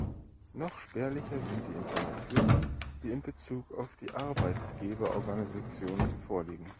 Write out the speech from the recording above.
Noch spärlicher sind die Informationen, die in Bezug auf die Arbeitgeberorganisationen vorliegen.